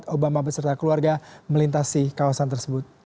obama beserta keluarga melintasi kawasan tersebut